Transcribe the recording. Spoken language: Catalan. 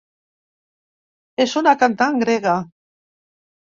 És una cantant grega.